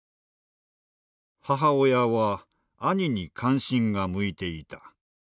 母親は兄に関心が向いていた。